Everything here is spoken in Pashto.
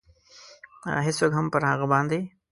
هېڅوک هم پر هغه باندې.